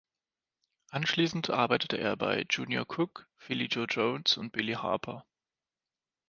Anschließend arbeitete er bei Junior Cook, Philly Joe Jones und Billy Harper.